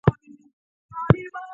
আমি কি তোমাকে মারমালাড দিতে পারি?